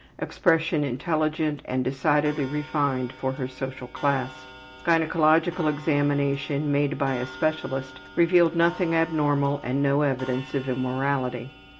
Expression intelligent and decidedly refined for her social class. Gynecological examination made by a specialist revealed nothing abnormal and no evidence of immorality.